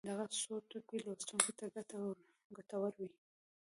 دغه څو ټکي لوستونکو ته ګټورې وي.